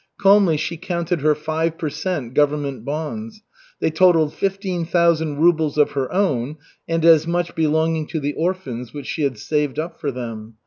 Calmly she counted her five per cent. Government bonds. They totalled fifteen thousand rubles of her own, and as much belonging to the orphans, which she had saved up for them.